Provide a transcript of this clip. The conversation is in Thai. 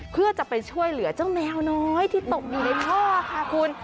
เพื่อจะไปช่วยเหลือเจ้าแมวน้อยที่ตกอยู่ในท่อค่ะคุณ